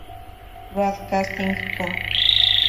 Broadcasting Co.